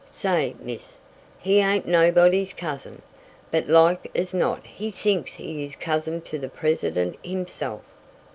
Say, miss, he ain't nobody's cousin. But like as not he thinks he is cousin to the president himself."